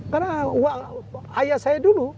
karena ayah saya dulu